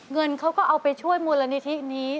เงินเขาก็เอาไปช่วยมูลนิธินี้